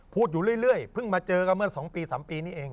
พูดอยู่เรื่อยเพิ่งมาเจอกันเมื่อ๒ปี๓ปีนี้เอง